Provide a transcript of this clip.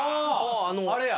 あれや。